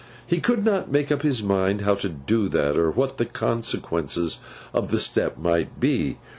He could not make up his mind how to do that, or what the consequences of the step might be.